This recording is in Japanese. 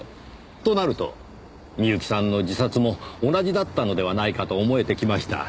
となると美由紀さんの自殺も同じだったのではないかと思えてきました。